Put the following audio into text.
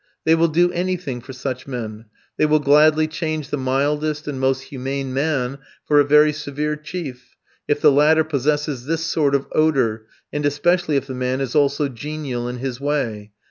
They will do anything for such men; they will gladly change the mildest and most humane man for a very severe chief, if the latter possesses this sort of odour, and especially if the man is also genial in his way.